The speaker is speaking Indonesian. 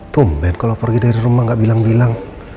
tumben kalo pergi dari rumah gak bilang bilang